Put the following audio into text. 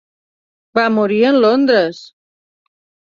Va morir en Londres.